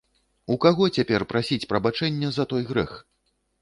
У каго цяпер прасіць прабачэння за той грэх?